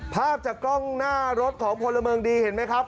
ภาพจากกล้องหน้ารถของพลเมืองดีเห็นไหมครับ